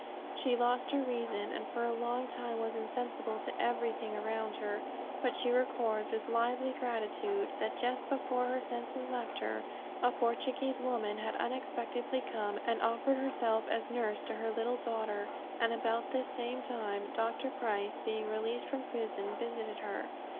She lost her reason, and for a long time was insensible to everything around her. But she records with lively gratitude, that just before her senses left her, a Portuguese woman had unexpectedly come and offered herself as nurse to her little daughter; and about the same time, Dr. Price, being released from prison, visited her.